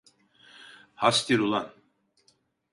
Hastir ulan!